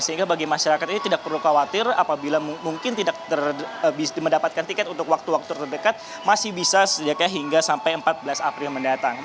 sehingga bagi masyarakat ini tidak perlu khawatir apabila mungkin tidak mendapatkan tiket untuk waktu waktu terdekat masih bisa sejaknya hingga sampai empat belas april mendatang